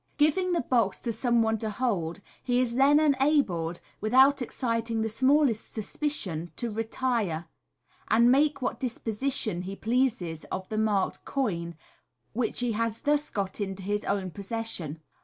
Giving the box to some one to hold, he is then enabled, without exciting the smallest suspicion, to retire, and make what disposition he pleases of the marked coin, which he has thus got into his own possession.